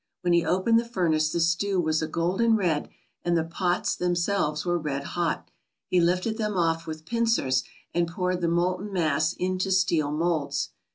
When he opened the furnace the stew was a golden red and the pots themselves were red hot. He lifted them off with pincers and poured the molten mass into steel moulds.